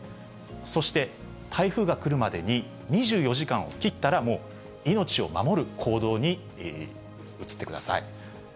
そして、台風が来るまでに、２４時間を切ったらもう、命を守る行動に移ってください。